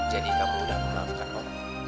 jadi kamu udah memaafkan om